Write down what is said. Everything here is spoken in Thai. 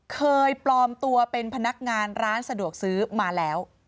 เคยปลอมตัวเป็นพนักงานร้านสะดวกซื้อมาแล้ว